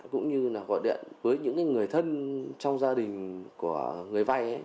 cũng như là gọi điện với những người thân trong gia đình của người vay